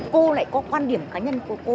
cô lại có quan điểm cá nhân của cô